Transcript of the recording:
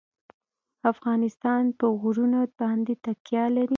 افغانستان په غرونه باندې تکیه لري.